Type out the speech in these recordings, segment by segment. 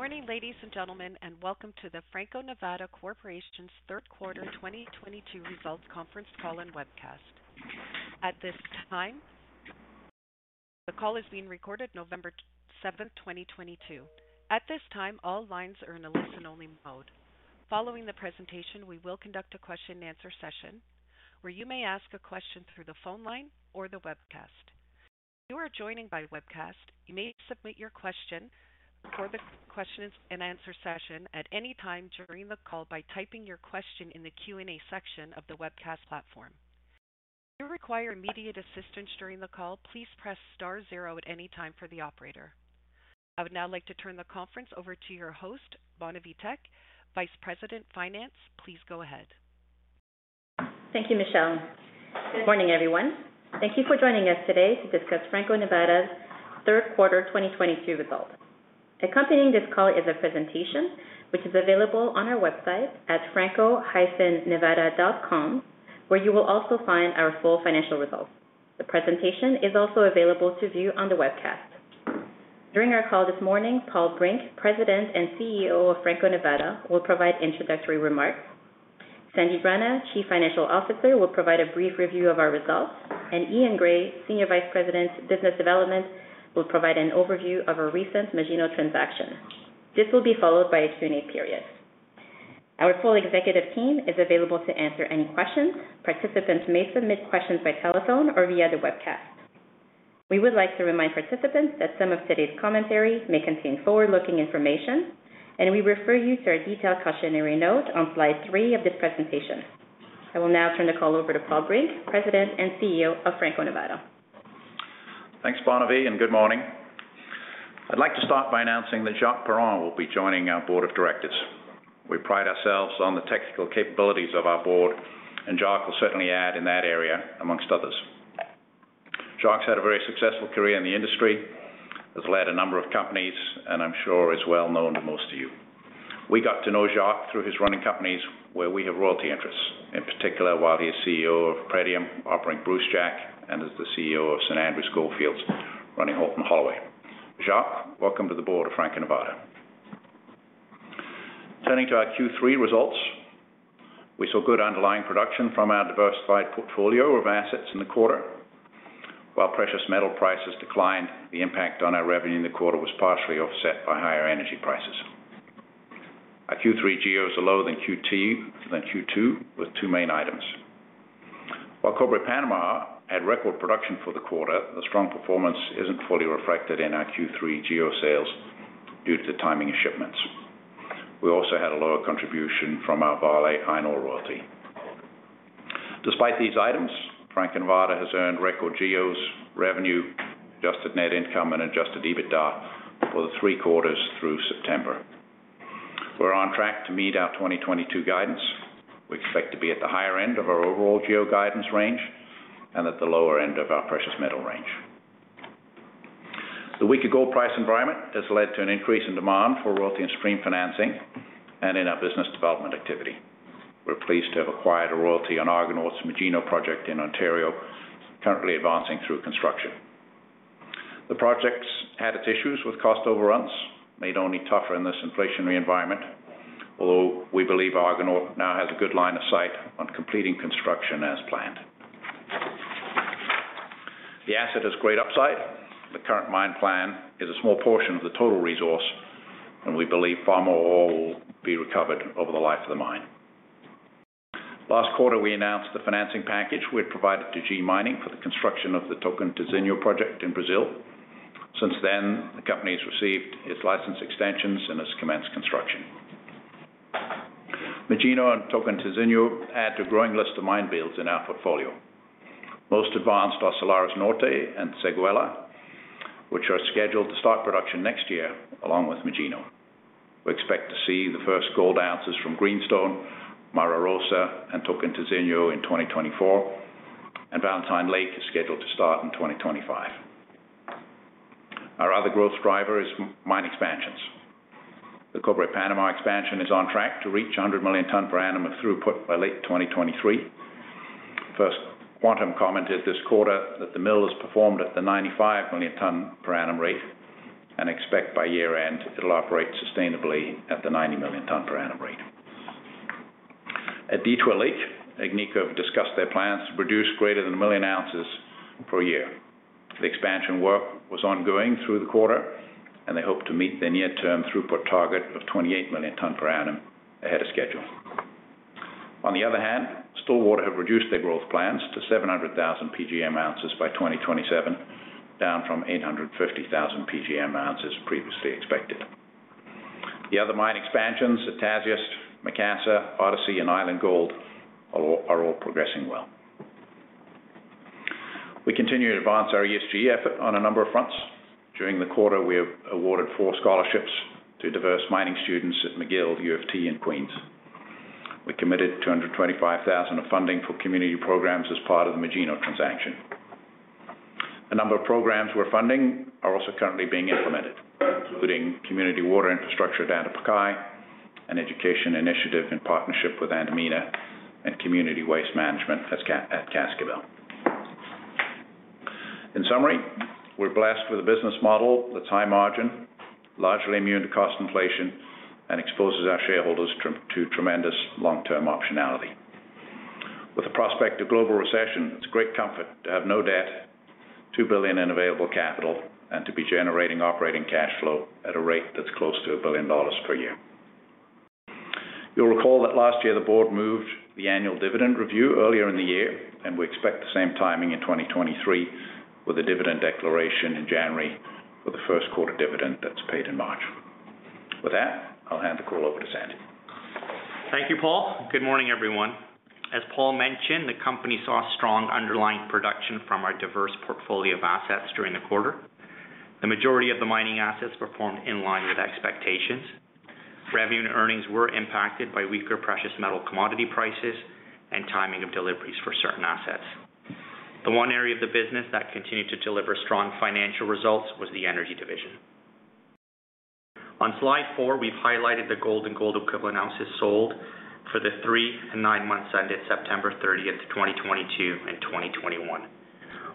Good morning, ladies and gentlemen, and welcome to the Franco-Nevada Corporation's Third Quarter 2022 Results Conference Call and Webcast. At this time, the call is being recorded November 7, 2022. At this time, all lines are in a listen-only mode. Following the presentation, we will conduct a question-and-answer session where you may ask a question through the phone line or the webcast. If you are joining by webcast, you may submit your question for the question-and-answer session at any time during the call by typing your question in the Q&A section of the webcast platform. If you require immediate assistance during the call, please press star zero at any time for the operator. I would now like to turn the conference over to your host, Bonavie Tek, Vice President, Finance. Please go ahead. Thank you, Michelle. Good morning, everyone. Thank you for joining us today to discuss Franco-Nevada's third quarter 2022 results. Accompanying this call is a presentation which is available on our website at franco-nevada.com, where you will also find our full financial results. The presentation is also available to view on the webcast. During our call this morning, Paul Brink, President and CEO of Franco-Nevada, will provide introductory remarks. Sandip Rana, Chief Financial Officer, will provide a brief review of our results, and Eaun Gray, Senior Vice President, Business Development, will provide an overview of our recent Magino transaction. This will be followed by a Q&A period. Our full executive team is available to answer any questions. Participants may submit questions by telephone or via the webcast. We would like to remind participants that some of today's commentary may contain forward-looking information, and we refer you to our detailed cautionary note on slide three of this presentation. I will now turn the call over to Paul Brink, President and CEO of Franco-Nevada. Thanks, Bonavie, and good morning. I'd like to start by announcing that Jacques Perron will be joining our board of directors. We pride ourselves on the technical capabilities of our board, and Jacques will certainly add in that area, among others. Jacques had a very successful career in the industry, has led a number of companies, and I'm sure is well known to most of you. We got to know Jacques through his running companies where we have royalty interests, in particular, while he is CEO of Pretium operating Brucejack and is the CEO of St. Andrew Goldfields running Holt and Holloway. Jacques, welcome to the board of Franco-Nevada. Turning to our Q3 results, we saw good underlying production from our diversified portfolio of assets in the quarter. While precious metal prices declined, the impact on our revenue in the quarter was partially offset by higher energy prices. Our Q3 GEOs are lower than Q2 with two main items. While Cobre Panamá had record production for the quarter, the strong performance isn't fully reflected in our Q3 GEO sales due to the timing of shipments. We also had a lower contribution from our Vale iron ore royalty. Despite these items, Franco-Nevada has earned record GEOs, revenue, adjusted net income, and Adjusted EBITDA for the three quarters through September. We're on track to meet our 2022 guidance. We expect to be at the higher end of our overall GEO guidance range and at the lower end of our precious metal range. The weaker gold price environment has led to an increase in demand for royalty and stream financing and in our business development activity. We're pleased to have acquired a royalty on Agnico's Magino project in Ontario, currently advancing through construction. The project's had its issues with cost overruns, made only tougher in this inflationary environment, although we believe Agnico now has a good line of sight on completing construction as planned. The asset has great upside. The current mine plan is a small portion of the total resource, and we believe far more ore will be recovered over the life of the mine. Last quarter, we announced the financing package we had provided to G Mining for the construction of the Tocantinzinho project in Brazil. Since then, the company's received its license extensions and has commenced construction. Magino and Tocantinzinho add to a growing list of mine builds in our portfolio. Most advanced are Salares Norte and Séguéla, which are scheduled to start production next year along with Magino. We expect to see the first gold ounces from Greenstone, Mara Rosa, and Tocantinzinho in 2024, and Valentine Lake is scheduled to start in 2025. Our other growth driver is mine expansions. The Cobre PPanamá expansion is on track to reach 100 million tons per annum of throughput by late 2023. First Quantum commented this quarter that the mill has performed at the 95 million tons per annum rate and expect by year-end it'll operate sustainably at the 90 million tons per annum rate. At Detour Lake, Agnico Eagle have discussed their plans to produce greater than 1 million ounces per year. The expansion work was ongoing through the quarter, and they hope to meet their near-term throughput target of 28 million tons per annum ahead of schedule. On the other hand, Sibanye-Stillwater have reduced their growth plans to 700,000 PGM ounces by 2027, down from 850,000 PGM ounces previously expected. The other mine expansions at Tasiast, Macassa, Odyssey, and Island Gold are all progressing well. We continue to advance our ESG effort on a number of fronts. During the quarter, we have awarded four scholarships to diverse mining students at McGill, U of T, and Queen's. We committed $225,000 of funding for community programs as part of the Magino transaction. A number of programs we're funding are also currently being implemented, including community water infrastructure at Antapaccay, an education initiative in partnership with Antamina, and community waste management at Cascabel. In summary, we're blessed with a business model that's high margin, largely immune to cost inflation, and exposes our shareholders to tremendous long-term optionality. With the prospect of global recession, it's great comfort to have no debt, $2 billion in available capital, and to be generating operating cash flow at a rate that's close to $1 billion per year. You'll recall that last year, the board moved the annual dividend review earlier in the year, and we expect the same timing in 2023, with a dividend declaration in January for the first quarter dividend that's paid in March. With that, I'll hand the call over to Sandip. Thank you, Paul. Good morning, everyone. As Paul mentioned, the company saw strong underlying production from our diverse portfolio of assets during the quarter. The majority of the mining assets performed in line with expectations. Revenue and earnings were impacted by weaker precious metal commodity prices and timing of deliveries for certain assets. The one area of the business that continued to deliver strong financial results was the energy division. On slide four, we've highlighted the gold and gold equivalent ounces sold for the three and nine months ended September 30, 2022 and 2021.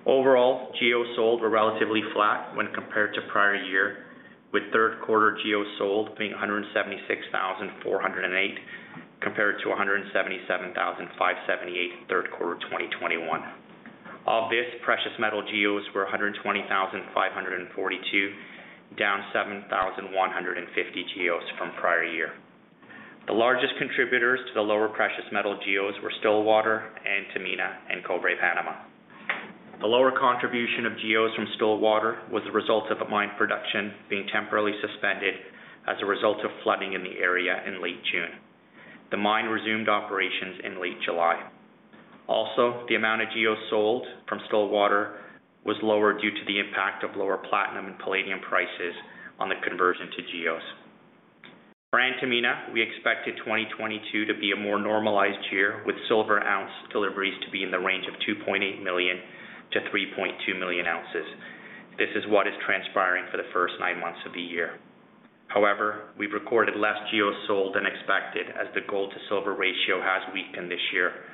Overall, GEO sold were relatively flat when compared to prior year, with third quarter GEO sold being 176,408, compared to 177,578 in third quarter 2021. Of this, precious metal GEOs were 120,542, down 7,150 GEOs from prior year. The largest contributors to the lower precious metal GEOs were Sibanye-Stillwater and Antamina and Cobre Panamá. The lower contribution of GEOs from Sibanye-Stillwater was the result of the mine production being temporarily suspended as a result of flooding in the area in late June. The mine resumed operations in late July. Also, the amount of GEOs sold from Sibanye-Stillwater was lower due to the impact of lower platinum and palladium prices on the conversion to GEOs. For Antamina, we expected 2022 to be a more normalized year, with silver ounce deliveries to be in the range of 2.8 million-3.2 million ounces. This is what is transpiring for the first nine months of the year. However, we've recorded less GEOs sold than expected, as the gold-to-silver ratio has weakened this year,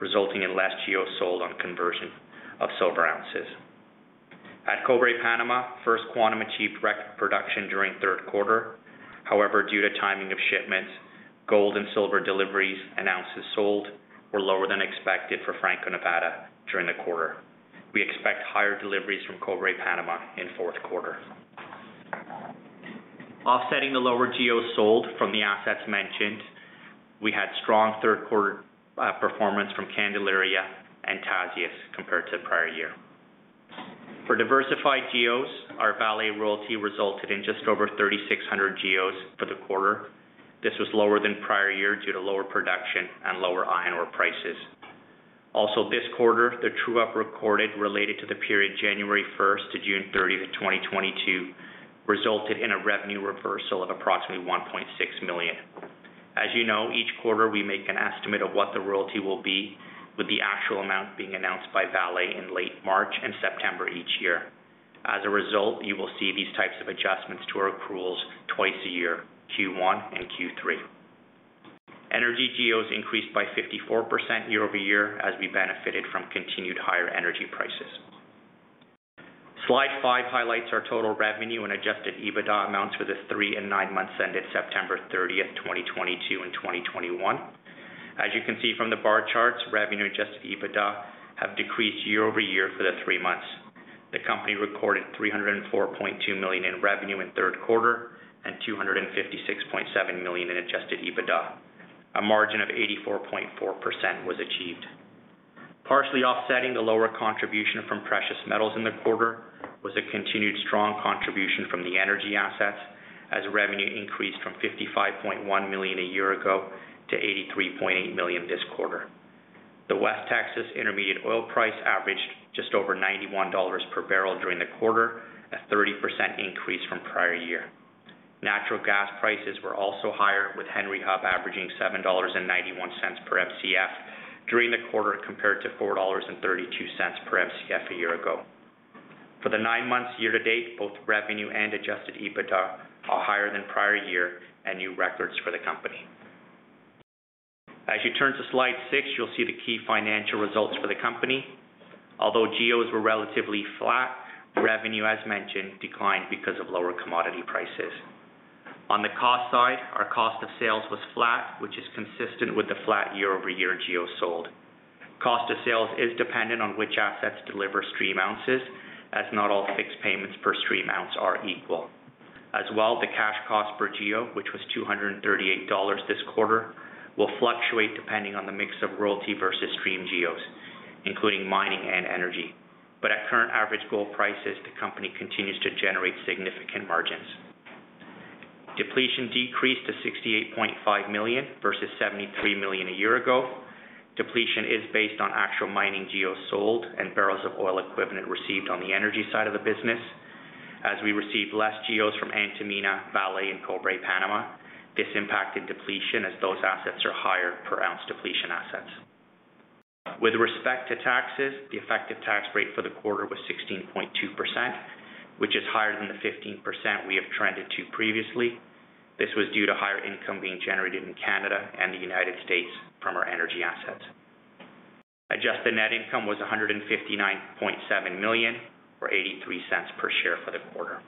resulting in less GEOs sold on conversion of silver ounces. At Cobre Panamá, First Quantum achieved record production during third quarter. However, due to timing of shipments, gold and silver deliveries, and ounces sold were lower than expected for Franco-Nevada during the quarter. We expect higher deliveries from Cobre Panamá in fourth quarter. Offsetting the lower GEOs sold from the assets mentioned, we had strong third quarter performance from Candelaria and Tasiast compared to prior year. For diversified GEOs, our Vale royalty resulted in just over 3,600 GEOs for the quarter. This was lower than prior year due to lower production and lower iron ore prices. This quarter, the true-up recorded related to the period January 1 to June 30, 2022, resulted in a revenue reversal of approximately $1.6 million. As you know, each quarter, we make an estimate of what the royalty will be, with the actual amount being announced by Vale in late March and September each year. As a result, you will see these types of adjustments to our accruals twice a year, Q1 and Q3. Energy GEOs increased by 54% year-over-year, as we benefited from continued higher energy prices. Slide 5 highlights our total revenue and Adjusted EBITDA amounts for the 3 and 9 months ended September 30, 2022 and 2021. As you can see from the bar charts, revenue Adjusted EBITDA have decreased year-over-year for the three months. The company recorded $304.2 million in revenue in third quarter and $256.7 million in Adjusted EBITDA. A margin of 84.4% was achieved. Partially offsetting the lower contribution from precious metals in the quarter was a continued strong contribution from the energy assets, as revenue increased from $55.1 million a year ago to $83.8 million this quarter. The West Texas Intermediate oil price averaged just over $91 per barrel during the quarter, a 30% increase from prior year. Natural gas prices were also higher, with Henry Hub averaging $7.91 per Mcf during the quarter, compared to $4.32 per Mcf a year ago. For the 9 months year to date, both revenue and Adjusted EBITDA are higher than prior year and new records for the company. As you turn to slide 6, you'll see the key financial results for the company. Although GEOs were relatively flat, revenue, as mentioned, declined because of lower commodity prices. On the cost side, our cost of sales was flat, which is consistent with the flat year-over-year GEOs sold. Cost of sales is dependent on which assets deliver stream ounces, as not all fixed payments per stream ounces are equal. As well, the cash cost per GEO, which was $238 this quarter, will fluctuate depending on the mix of royalty versus stream GEOs, including mining and energy. But at current average gold prices, the company continues to generate significant margins. Depletion decreased to $68.5 million versus $73 million a year ago. Depletion is based on actual mining GEOs sold and barrels of oil equivalent received on the energy side of the business. As we received less GEOs from Antamina, Vale, and Cobre Panamá, this impacted depletion as those assets are higher per ounce depletion assets. With respect to taxes, the effective tax rate for the quarter was 16.2%. Which is higher than the 15% we have trended to previously. This was due to higher income being generated in Canada and the United States from our energy assets. Adjusted net income was $159.7 million, or $0.83 per share for the quarter.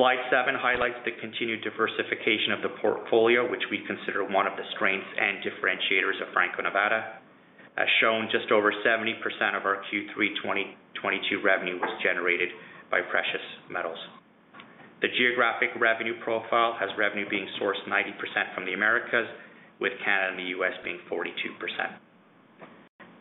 Slide 7 highlights the continued diversification of the portfolio, which we consider one of the strengths and differentiators of Franco-Nevada. As shown, just over 70% of our Q3 2022 revenue was generated by precious metals. The geographic revenue profile has revenue being sourced 90% from the Americas, with Canada and the U.S. being 42%.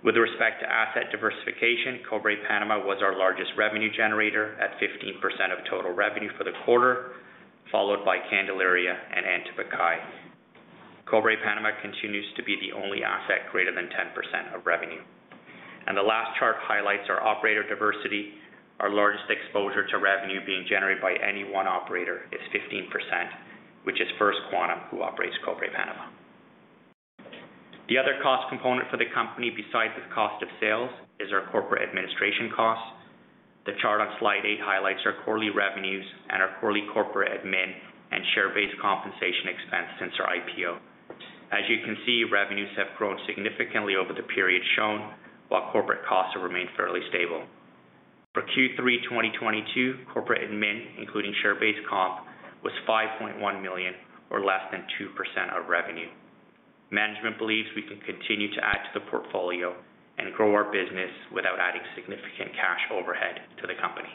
With respect to asset diversification, Cobre Panamá was our largest revenue generator at 15% of total revenue for the quarter, followed by Candelaria and Antamina. Cobre Panamá continues to be the only asset greater than 10% of revenue. The last chart highlights our operator diversity. Our largest exposure to revenue being generated by any one operator is 15%, which is First Quantum, who operates Cobre Panamá. The other cost component for the company besides the cost of sales is our corporate administration costs. The chart on slide 8 highlights our quarterly revenues and our quarterly corporate admin and share-based compensation expense since our IPO. As you can see, revenues have grown significantly over the period shown, while corporate costs have remained fairly stable. For Q3 2022, corporate admin, including share-based comp, was $5.1 million or less than 2% of revenue. Management believes we can continue to add to the portfolio and grow our business without adding significant cash overhead to the company.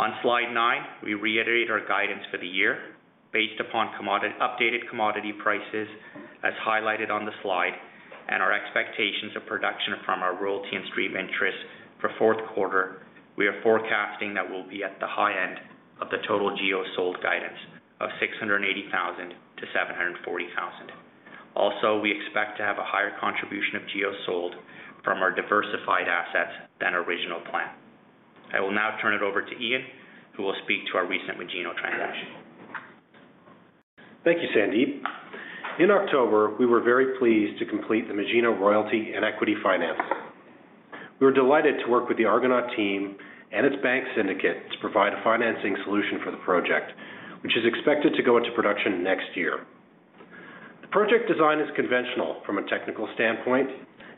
On slide 9, we reiterate our guidance for the year based upon updated commodity prices as highlighted on the slide and our expectations of production from our royalty and stream interest. For fourth quarter, we are forecasting that we'll be at the high end of the total GEO sold guidance of 680,000-740,000. Also, we expect to have a higher contribution of GEO sold from our diversified assets than original plan. I will now turn it over to Eaun, who will speak to our recent Magino transaction. Thank you, Sandip. In October, we were very pleased to complete the Magino royalty and equity financing. We were delighted to work with the Argonaut Gold team and its bank syndicate to provide a financing solution for the project, which is expected to go into production next year. The project design is conventional from a technical standpoint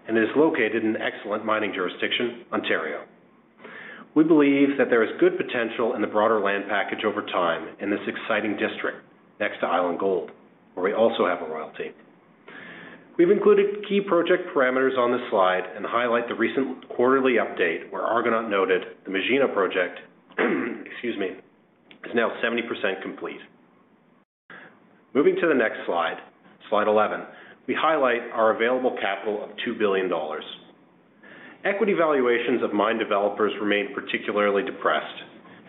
and is located in excellent mining jurisdiction, Ontario. We believe that there is good potential in the broader land package over time in this exciting district next to Island Gold, where we also have a royalty. We've included key project parameters on this slide and highlight the recent quarterly update where Argonaut Gold noted the Magino project, excuse me, is now 70% complete. Moving to the next slide 11, we highlight our available capital of $2 billion. Equity valuations of mine developers remain particularly depressed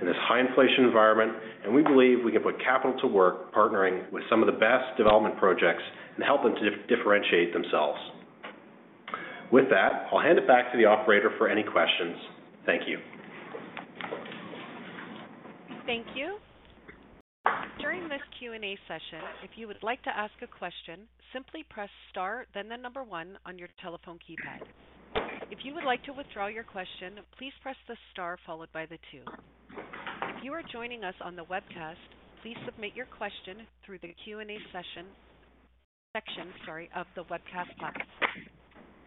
in this high inflation environment, and we believe we can put capital to work partnering with some of the best development projects and help them to differentiate themselves. With that, I'll hand it back to the operator for any questions. Thank you. Thank you. During this Q&A session, if you would like to ask a question, simply press star, then the number one on your telephone keypad. If you would like to withdraw your question, please press the star followed by the two. If you are joining us on the webcast, please submit your question through the Q&A section, sorry, of the webcast box.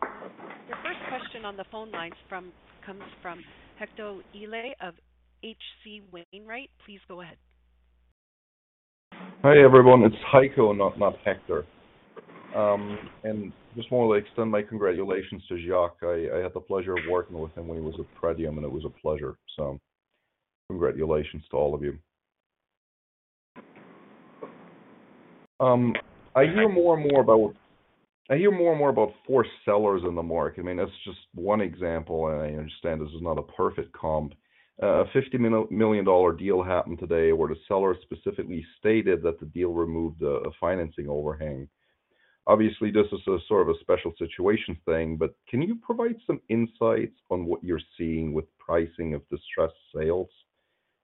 The first question on the phone lines comes from Heiko Ihle of H.C. Wainwright & Co. Please go ahead. Hi, everyone. It's Heiko, not Hector. I just want to extend my congratulations to Jacques. I had the pleasure of working with him when he was at Pretium, and it was a pleasure. Congratulations to all of you. I hear more and more about sellers in the market. I mean, that's just one example, and I understand this is not a perfect comp. A $50 million deal happened today where the seller specifically stated that the deal removed a financing overhang. Obviously, this is a sort of a special situation thing, but can you provide some insights on what you're seeing with pricing of distressed sales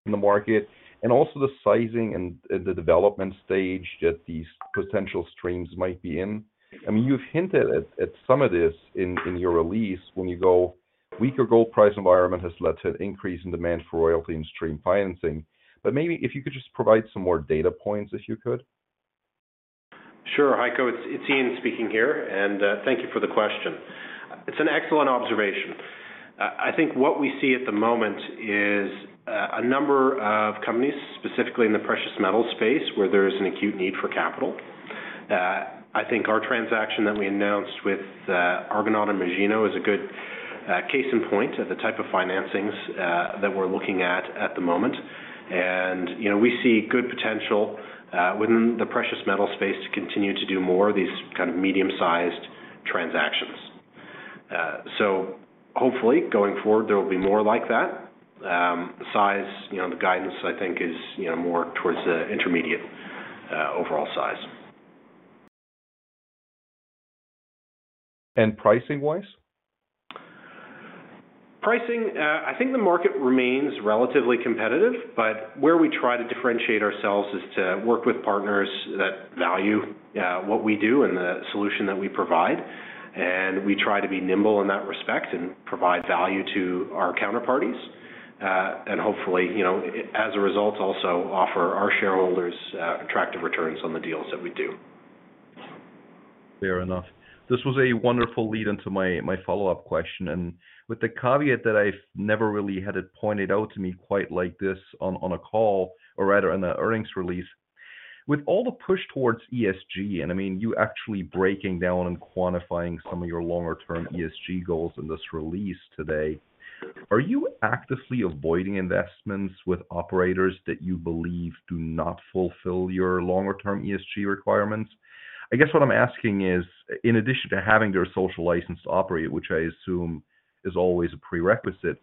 in the market and also the sizing and the development stage that these potential streams might be in? I mean, you've hinted at some of this in your release when you go weaker gold price environment has led to an increase in demand for royalty and stream financing. Maybe if you could just provide some more data points, if you could. Sure, Heiko, it's Ian speaking here, and thank you for the question. It's an excellent observation. I think what we see at the moment is a number of companies, specifically in the precious metal space, where there is an acute need for capital. I think our transaction that we announced with Argonaut and Magino is a good case in point of the type of financings that we're looking at at the moment. You know, we see good potential within the precious metal space to continue to do more of these kind of medium-sized transactions. Hopefully, going forward, there will be more like that. The size, you know, the guidance, I think is, you know, more towards the intermediate overall size. Pricing-wise? Pricing, I think the market remains relatively competitive, but where we try to differentiate ourselves is to work with partners that value what we do and the solution that we provide. We try to be nimble in that respect and provide value to our counterparties. Hopefully, you know, as a result, also offer our shareholders attractive returns on the deals that we do. Fair enough. This was a wonderful lead into my follow-up question. With the caveat that I've never really had it pointed out to me quite like this on a call or rather on an earnings release. With all the push towards ESG, and I mean, you actually breaking down and quantifying some of your longer-term ESG goals in this release today, are you actively avoiding investments with operators that you believe do not fulfill your longer-term ESG requirements? I guess what I'm asking is, in addition to having their social license to operate, which I assume is always a prerequisite,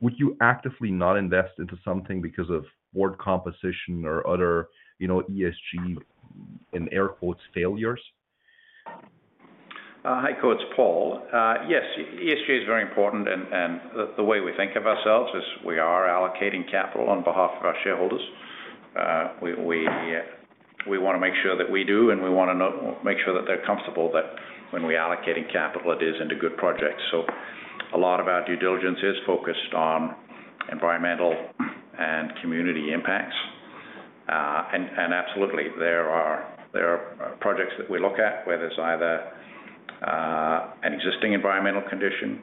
would you actively not invest into something because of board composition or other, you know, ESG in air quotes, "failures"? Hi, Heiko Ihle, Paul Brink. Yes, ESG is very important, and the way we think of ourselves is we are allocating capital on behalf of our shareholders. We wanna make sure that we do, and we wanna make sure that they're comfortable that when we're allocating capital, it is into good projects. A lot of our due diligence is focused on environmental and community impacts. Absolutely, there are projects that we look at where there's either an existing environmental condition,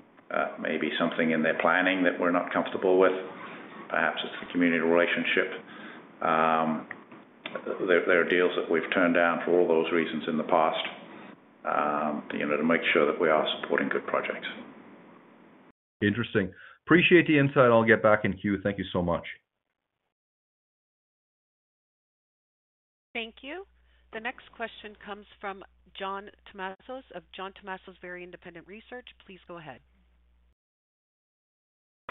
maybe something in their planning that we're not comfortable with. Perhaps it's the community relationship. There are deals that we've turned down for all those reasons in the past, you know, to make sure that we are supporting good projects. Interesting. Appreciate the insight. I'll get back in queue. Thank you so much. Thank you. The next question comes from John Tumazos of John Tumazos Very Independent Research. Please go ahead.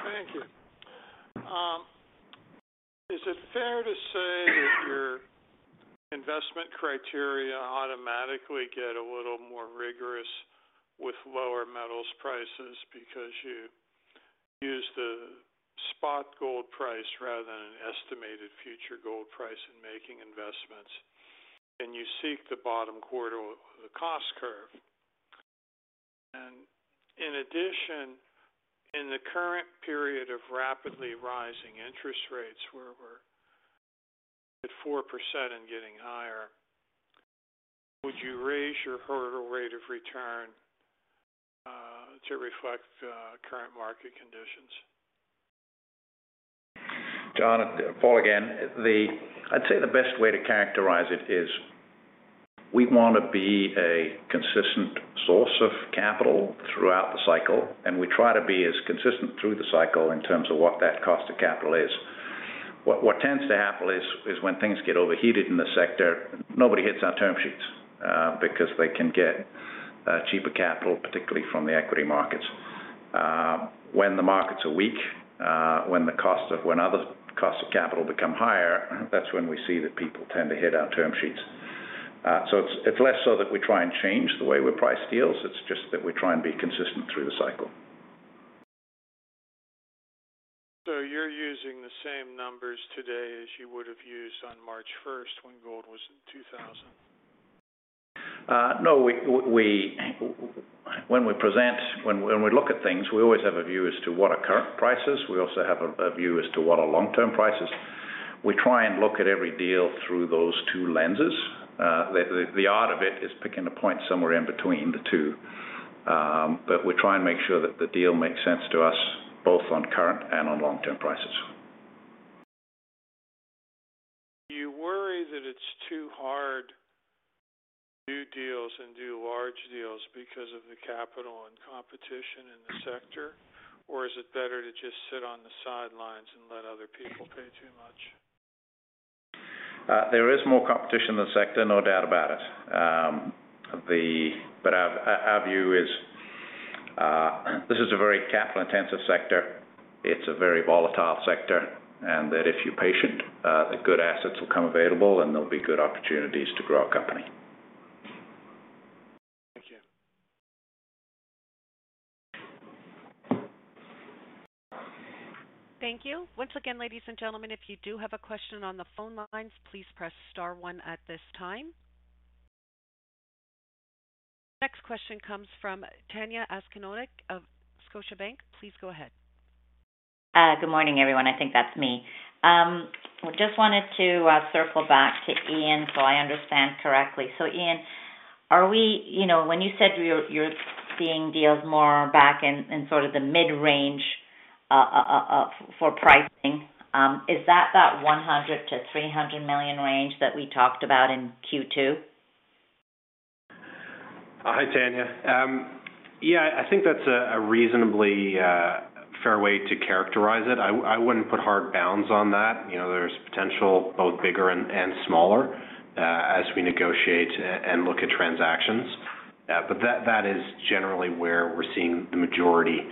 Thank you. Is it fair to say that your investment criteria automatically get a little more rigorous with lower metals prices because you use the spot gold price rather than an estimated future gold price in making investments, and you seek the bottom quarter of the cost curve? In addition, in the current period of rapidly rising interest rates, where we're at 4% and getting higher, would you raise your hurdle rate of return to reflect current market conditions? John, Paul again, I'd say the best way to characterize it is we wanna be a consistent source of capital throughout the cycle, and we try to be as consistent through the cycle in terms of what that cost of capital is. What tends to happen is when things get overheated in the sector, nobody hits our term sheets because they can get cheaper capital, particularly from the equity markets. When the markets are weak, when other costs of capital become higher, that's when we see that people tend to hit our term sheets. It's less so that we try and change the way we price deals. It's just that we try and be consistent through the cycle. You're using the same numbers today as you would have used on March first when gold was at $2,000? No. We look at things, we always have a view as to what are current prices. We also have a view as to what are long-term prices. We try and look at every deal through those two lenses. The art of it is picking a point somewhere in between the two. We try and make sure that the deal makes sense to us both on current and on long-term prices. Do you worry that it's too hard to do deals and do large deals because of the capital and competition in the sector? Or is it better to just sit on the sidelines and let other people pay too much? There is more competition in the sector, no doubt about it. Our view is, this is a very capital-intensive sector. It's a very volatile sector, and that if you're patient, the good assets will come available and there'll be good opportunities to grow our company. Thank you. Thank you. Once again, ladies and gentlemen, if you do have a question on the phone lines, please press star one at this time. Next question comes from Tanya Jakusconek of Scotiabank. Please go ahead. Good morning, everyone. I think that's me. Just wanted to circle back to Ian so I understand correctly. Ian, you know, when you said you're seeing deals more back in sort of the mid-range for pricing, is that the $100 million-$300 million range that we talked about in Q2? Hi, Tanya. Yeah, I think that's a reasonably fair way to characterize it. I wouldn't put hard bounds on that. You know, there's potential both bigger and smaller as we negotiate and look at transactions. But that is generally where we're seeing the majority of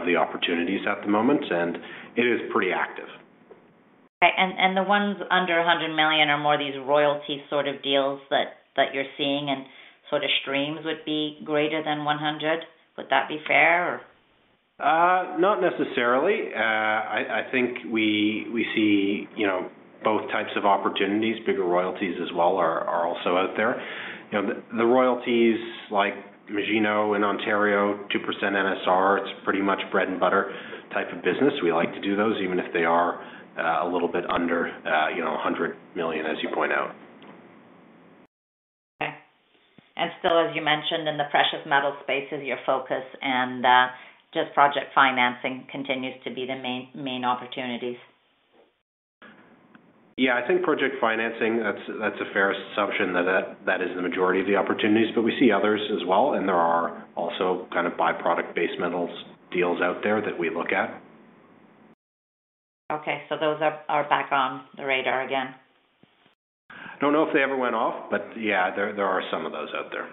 the opportunities at the moment, and it is pretty active. Okay. The ones under $100 million are more these royalty sort of deals that you're seeing and sort of streams would be greater than 100? Would that be fair or? Not necessarily. I think we see You know, both types of opportunities, bigger royalties as well are also out there. You know, the royalties like Magino in Ontario, 2% NSR, it's pretty much bread and butter type of business. We like to do those even if they are a little bit under, you know, $100 million, as you point out. Okay. Still, as you mentioned, in the precious metal space is your focus and just project financing continues to be the main opportunities. Yeah. I think project financing, that's a fair assumption that is the majority of the opportunities, but we see others as well, and there are also kind of byproduct base metals deals out there that we look at. Okay, those are back on the radar again. I don't know if they ever went off, but yeah, there are some of those out there.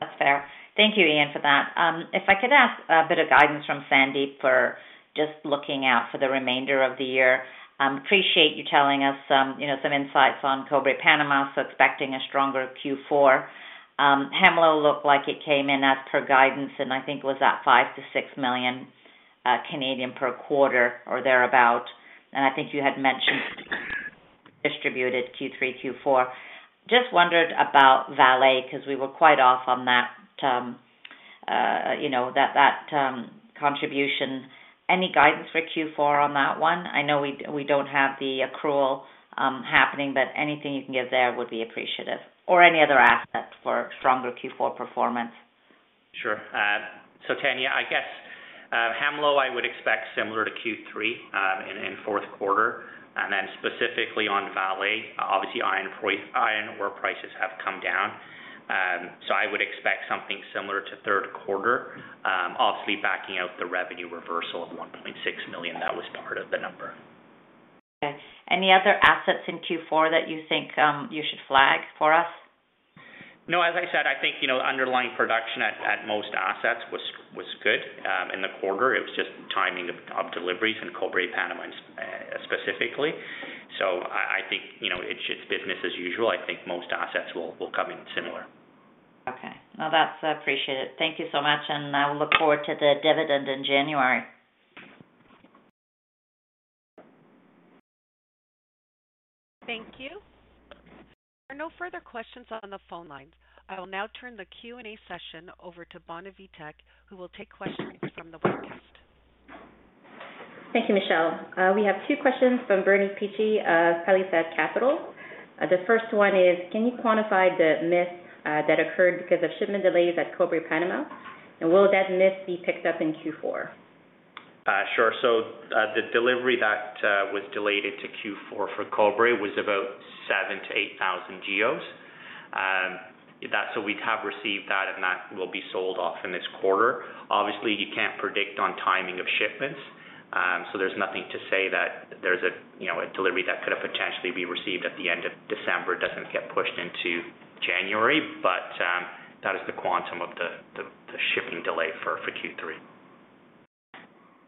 That's fair. Thank you, Eaun, for that. If I could ask a bit of guidance from Sandip for just looking out for the remainder of the year. Appreciate you telling us some, you know, insights on Cobre Panamá, so expecting a stronger Q4. Hemlo looked like it came in as per guidance, and I think was at 5 million-6 million per quarter or thereabout. I think you had mentioned distributed Q3, Q4. Just wondered about Vale because we were quite off on that, you know, contribution. Any guidance for Q4 on that one? I know we don't have the accrual happening, but anything you can give there would be appreciated, or any other assets for stronger Q4 performance. Sure. Tanya, I guess, Hemlo, I would expect similar to Q3 in fourth quarter. Specifically on Vale, obviously, iron ore prices have come down. I would expect something similar to third quarter, obviously backing out the revenue reversal of $1.6 million that was part of the number. Okay. Any other assets in Q4 that you think you should flag for us? No. As I said, I think, you know, underlying production at most assets was good in the quarter. It was just timing of deliveries in Cobre Panamá, specifically. I think, you know, it's just business as usual. I think most assets will come in similar. Okay. No, that's appreciated. Thank you so much, and I will look forward to the dividend in January. Thank you. There are no further questions on the phone lines. I will now turn the Q&A session over to Bonavie Tek, who will take questions from the webcast. Thank you, Michelle. We have two questions from Bernard Picchi of Palisade Capital. The first one is, can you quantify the miss that occurred because of shipment delays at Cobre Panamá? Will that miss be picked up in Q4? The delivery that was delayed into Q4 for Cobre was about 7,000-8,000 GEOs. We have received that, and that will be sold off in this quarter. Obviously, you can't predict on timing of shipments. There's nothing to say that there's a, you know, a delivery that could have potentially be received at the end of December doesn't get pushed into January. But that is the quantum of the shipping delay for Q3.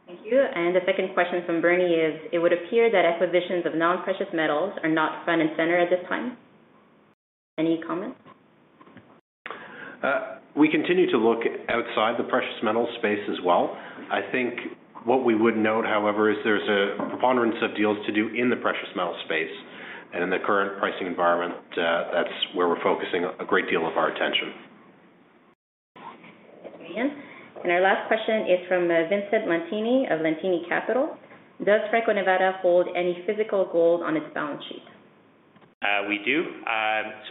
Thank you. The second question from Bernie is: It would appear that acquisitions of non-precious metals are not front and center at this time. Any comments? We continue to look outside the precious metal space as well. I think what we would note, however, is there's a preponderance of deals to do in the precious metal space. In the current pricing environment, that's where we're focusing a great deal of our attention. Thanks, Eaun. Our last question is from Vincent Lantini of Lantini Capital. Does Franco-Nevada hold any physical gold on its balance sheet? We do.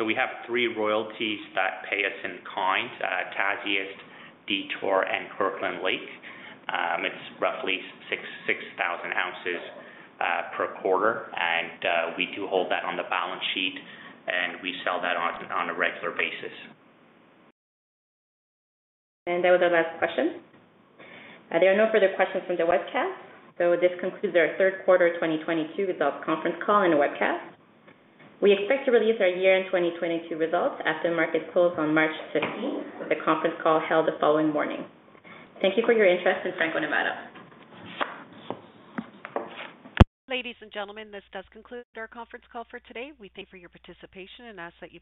We have three royalties that pay us in coins, Tasiast, Detour, and Kirkland Lake. It's roughly 6,000 ounces per quarter. We do hold that on the balance sheet, and we sell that on a regular basis. That was our last question. There are no further questions from the webcast. This concludes our third quarter 2022 results conference call and webcast. We expect to release our year-end 2022 results after market close on March 15th, with a conference call held the following morning. Thank you for your interest in Franco-Nevada. Ladies and gentlemen, this does conclude our conference call for today. We thank you for your participation and ask that you.